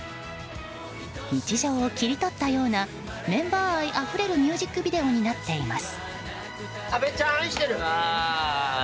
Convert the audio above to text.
日常を切り取ったようなメンバー愛あふれるミュージックビデオになっています。